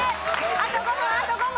あと５問あと５問！